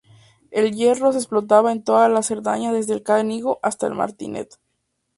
El hierro se explotaba en toda la Cerdaña desde el Canigó hasta Martinet.